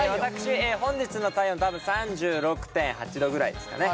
本日の体温多分３６．８度ぐらいですかね。